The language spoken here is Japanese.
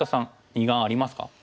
二眼ありますか？